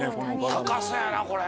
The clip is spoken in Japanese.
高そうやなこれ。